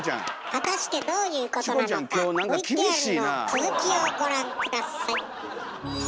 果たしてどういうことなのかＶＴＲの続きをご覧下さい。